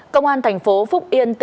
công an thành phố phúc yên